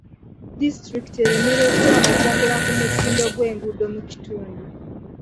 Disitulikiti eremereddwa okwongera ku mutindo gw'enguudo mu kitundu.